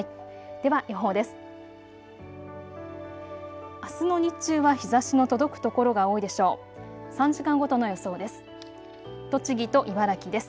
では予報です。